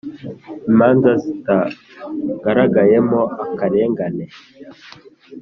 imanza zitagaragayemo akarengane